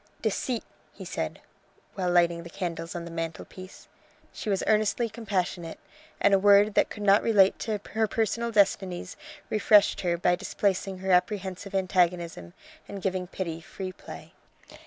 "Deceit!" he said, while lighting the candles on the mantelpiece. She was earnestly compassionate, and a word that could not relate to her personal destinies refreshed her by displacing her apprehensive antagonism and giving pity free play.